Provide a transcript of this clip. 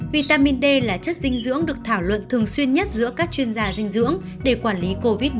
vitamin d là chất dinh dưỡng được thảo luận thường xuyên nhất giữa các chuyên gia dinh dưỡng để quản lý covid một mươi chín